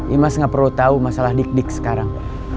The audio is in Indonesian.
imas gak perlu tau masalah dik dik sekarang